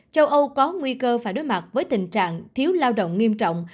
châu âu có nguy cơ phải đối mặt với tình trạng thiếu lao động nghiêm trọng